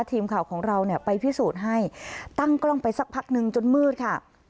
ทีมข่าวของเราเนี่ยไปพิสูจน์ให้ตั้งกล้องไปสักพักนึงจนมืดค่ะ